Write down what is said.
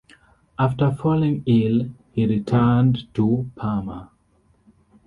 After falling ill, he returned to Parma.